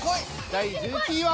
第１１位は。